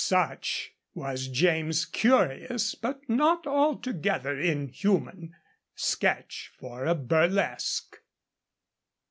Such was James's curious but not altogether inhuman sketch for a burlesque.